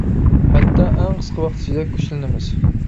ھەتتا ئەڭ قىسقا ۋاقىت ئىچىدە كۈچلىنىمىز!